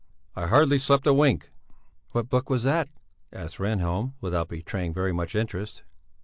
"I hardly slept a wink." "What book was that?" asked Rehnhjelm, without betraying very much interest.